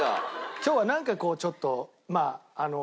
今日はなんかこうちょっとまああの。